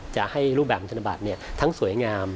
จะให้รูปแบบธนบัตรทั้งสวยงาม